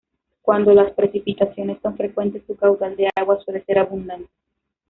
Cuando las precipitaciones son frecuentes, su caudal de agua suele ser abundante.